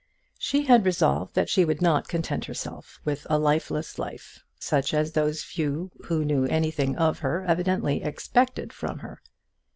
She had resolved that she would not content herself with a lifeless life, such as those few who knew anything of her evidently expected from her.